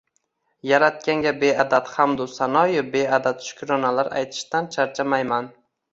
Yaratganga beadad hamdu sanoyu beadad shukronalar aytishdan charchamayman.